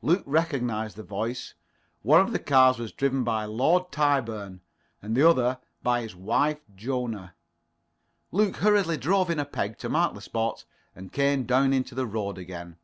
Luke recognized the voice. One of the cars was driven by Lord Tyburn, and the other by his wife, Jona. Luke hurriedly drove in a peg to mark the spot, and came down into the road again.